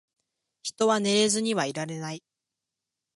人は寝ずにはいられない